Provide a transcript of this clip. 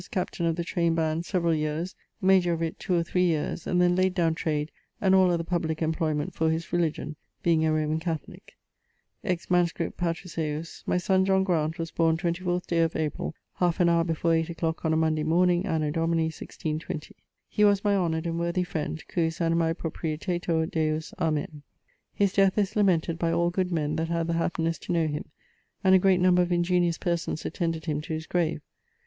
Captaine of the trayned band, severall yeares: major of it, two or three yeares, and then layd downe trade and all other publique employment for his religion, being a Roman Catholique. Ex MSS. patris ejus: 'My son, John Graunt, was borne 24th day of April halfe an howre before 8 a clock on a Monday morning anno Domini 1620.' He was my honoured and worthy friend cujus animae propitietur Deus, Amen. His death is lamented by all good men that had the happinesse to knowe him; and a great number of ingeniose persons attended him to his grave.